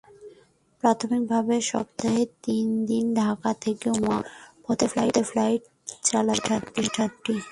প্রাথমিকভাবে সপ্তাহে তিন দিন ঢাকা থেকে গুয়াংজুর পথে ফ্লাইট চালাবে প্রতিষ্ঠানটি।